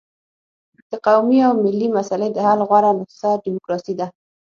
د قومي او ملي مسلې د حل غوره نسخه ډیموکراسي ده.